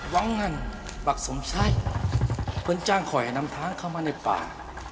วังงั้นบัคสมชายเพิ่งจ้างข่อยนำทางเข้ามาในป่า